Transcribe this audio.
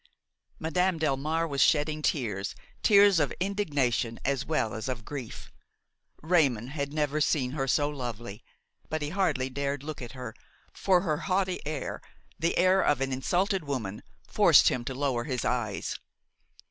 Madame Delmare was shedding tears, tears of indignation as well as of grief. Raymon had never seen her so lovely; but he hardly dared look at her, for her haughty air, the air of an insulted woman, forced him to lower his eyes.